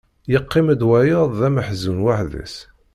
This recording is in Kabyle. Yeqqim-d wayeḍ d ameḥzun weḥd-s.